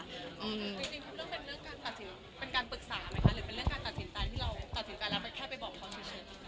เป็นเรื่องการปรึกษาไหมคะหรือเป็นเรื่องการตัดสินใจที่เราตัดสินกันแล้วมันแค่ไปบอกเขาคือเชิง